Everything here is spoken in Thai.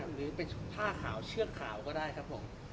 หรือเป็นผ้าขาวเชือกขาวก็ได้ครับผม